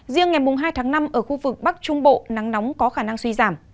riêng ngày hai tháng năm ở khu vực bắc trung bộ nắng nóng có khả năng suy giảm